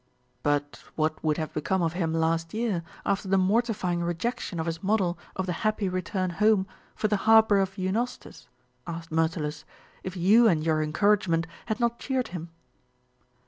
"But what would have become of him last year, after the mortifying rejection of his model of The Happy Return Home for the harbour of Eunostus," asked Myrtilus, "if you and your encouragement had not cheered him?"